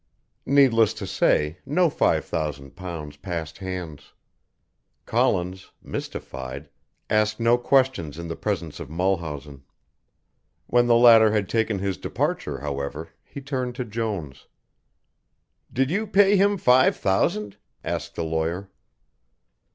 Needless to say no five thousand pounds passed hands. Collins, mystified, asked no questions in the presence of Mulhausen. When the latter had taken his departure, however, he turned to Jones. "Did you pay him five thousand?" asked the lawyer.